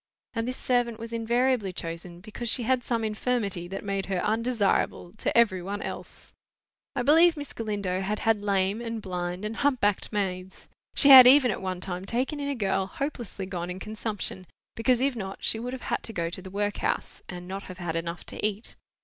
And this servant was invariably chosen because she had some infirmity that made her undesirable to every one else. I believe Miss Galindo had had lame and blind and hump backed maids. She had even at one time taken in a girl hopelessly gone in consumption, because if not she would have had to go to the workhouse, and not have had enough to eat.